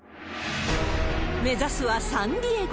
目指すはサンディエゴ。